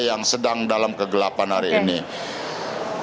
yang sedang dalam kegelapan hari ini